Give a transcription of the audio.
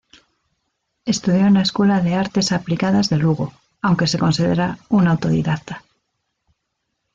Estudió en la Escuela de Artes Aplicadas de Lugo, aunque se considera un autodidacta.